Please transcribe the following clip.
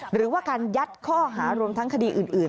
หรือว่าการยัดข้อหารวมทั้งคดีอื่น